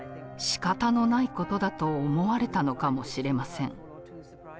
しかたのないことだと思われたのかもしれません。